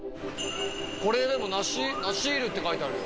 これでも「ナシール」って書いてあるよ。